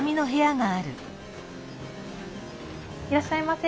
いらっしゃいませ。